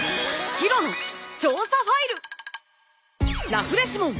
ラフレシモン。